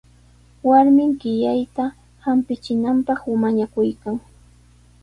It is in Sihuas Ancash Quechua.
Warmin qillayta hampichinanpaq mañakuykan.